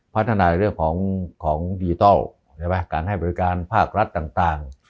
พัฒนาในเรื่องของของดิจิทัลเห็นไหมการให้บริการภาครัฐต่างต่าง